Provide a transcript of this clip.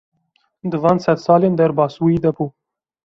Di van sedsalên derbasbûyî de bû.